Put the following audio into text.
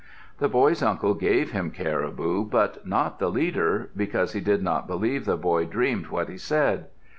The boy's uncle gave him caribou, but not the leader, because he did not believe the boy dreamed what he said.